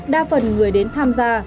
đa phần người đến tham gia